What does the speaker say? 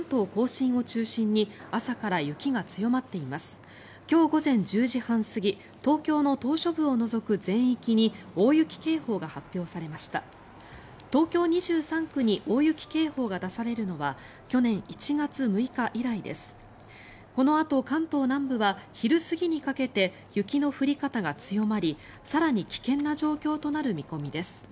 このあと、関東南部は昼過ぎにかけて雪の降り方が強まり更に危険な状況となる見込みです。